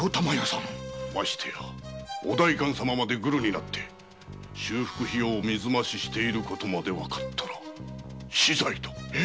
ましてやお代官様までグルになって修復費用を水増ししていることがわかったら死罪だ。